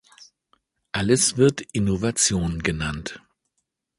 Alles wird Innovation genannt.